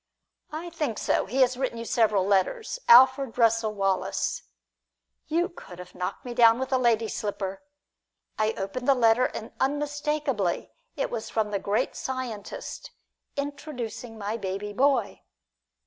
"I think so; he has written you several letters Alfred Russel Wallace!" You could have knocked me down with a lady's slipper. I opened the letter and unmistakably it was from the great scientist, "introducing my baby boy."